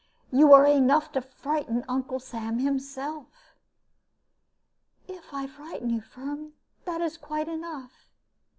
You are enough to frighten Uncle Sam himself." "If I frighten you, Firm, that is quite enough.